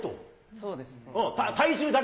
そうですね。